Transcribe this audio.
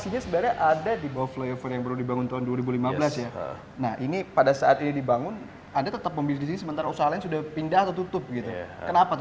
jadi ini adalah tempat yang sangat nyaman untuk kita